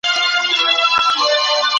تاسي په خپلو کارونو کي رښتیني یاست.